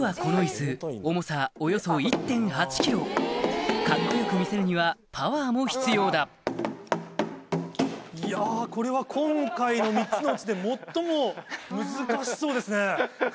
実はこのカッコ良く見せるにはパワーも必要だいやこれは今回の３つのうちで最も難しそうですね。